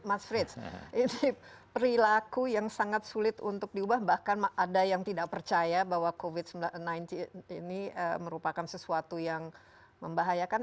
mas frits ini perilaku yang sangat sulit untuk diubah bahkan ada yang tidak percaya bahwa covid sembilan belas ini merupakan sesuatu yang membahayakan